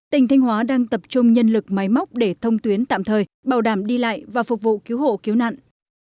tỉnh thanh hóa đang tập trung nhân lực máy móc để thông tuyến tạm thời bảo đảm đi lại và phục vụ cứu hộ cứu nạn